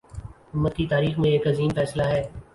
امت کی تاریخ میں ایک عظیم فیصلہ ہے